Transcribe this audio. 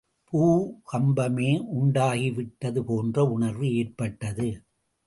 பூகம்பமே உண்டாகிவிட்டது போன்ற உணர்வு ஏற்பட்டது.